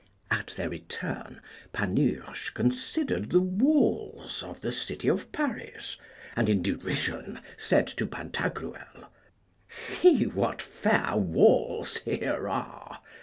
At their return, Panurge considered the walls of the city of Paris, and in derision said to Pantagruel, See what fair walls here are!